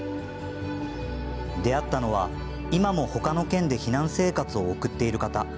出会ったのは、今も他の県で避難生活を送っている方。